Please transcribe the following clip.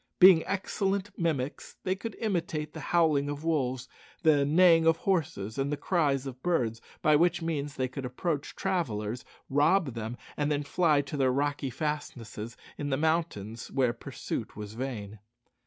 Being excellent mimics, they could imitate the howling of wolves, the neighing of horses, and the cries of birds, by which means they could approach travellers, rob them, and then fly to their rocky fastnesses in the mountains, where pursuit was vain.